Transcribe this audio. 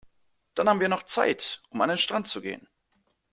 Dann haben wir ja noch Zeit, um an den Strand zu gehen.